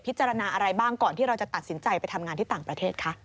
อะไรบ้างก่อนที่เราจะตัดสินใจไปทำงานที่ต่างประเทศคะ